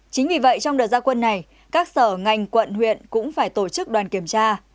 chính vì vậy trong đợt gia quân này các sở ngành quận huyện cũng phải tổ chức đoàn kiểm tra